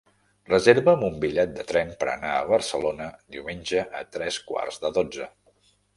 Reserva'm un bitllet de tren per anar a Barcelona diumenge a tres quarts de dotze.